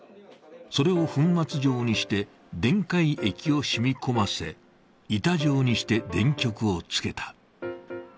それを粉末状にして電解液をしみ込ませ、板状にして電極を付けた。